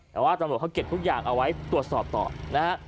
แต่ว่าตำรวจเขาเก็บทุกอย่างเอาไว้ตรวจสอบต่อนะฮะ